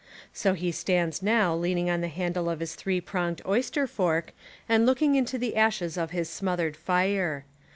So he stands now leaning on the handle of his three pronged oyster fork and looking into the ashes of his smothered fire.